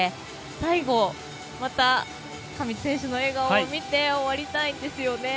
最後また、上地選手の笑顔を見て終わりたいですよね。